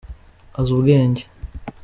azi ubwenge.